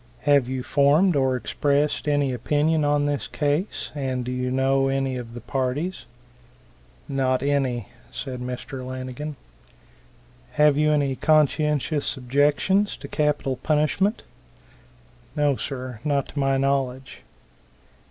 "Have you formed or expressed any opinion on this case, and do you know any of the parties?" "Not any," said Mr. Lanigan. "Have you any conscientious objections to capital punishment?" "No, sir, not to my knowledge."